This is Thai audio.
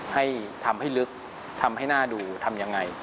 ให้ทำให้ลึกทำให้หน้าดูทำยังไง